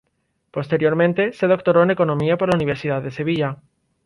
Posteriormente se doctoró en Economía por la Universidad de Sevilla.